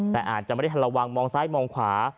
แต่อาจจะไม่ได้ทันระวังมองซ้ายมองขวา